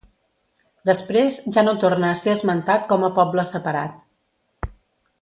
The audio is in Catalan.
Després ja no torna a ser esmentat com a poble separat.